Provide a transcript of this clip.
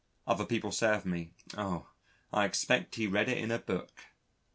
Other people say of me, "Oh! I expect he read it in a book."